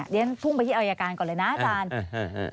เรียนพุ่งไปที่อายการก่อนเลยนะอาจารย์